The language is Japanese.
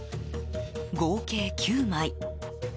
合計９枚。